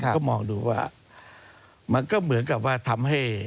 ก็มองดูว่า